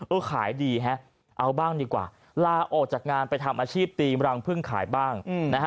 ขายดีฮะเอาบ้างดีกว่าลาออกจากงานไปทำอาชีพตีมรังพึ่งขายบ้างนะฮะ